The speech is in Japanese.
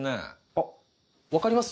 あっわかります？